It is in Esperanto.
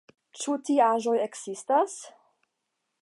Ĉu tiaĵoj ekzistas?